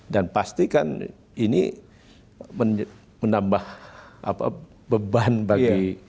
dan pasti kan ini menambah beban bagi